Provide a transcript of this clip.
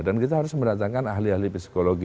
dan kita harus mendatangkan ahli ahli psikologi